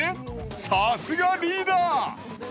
さすがリーダー。